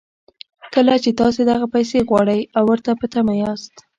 کله چې تاسې دغه پيسې غواړئ او ورته په تمه ياست.